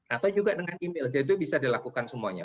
atau juga dengan email itu bisa dilakukan semuanya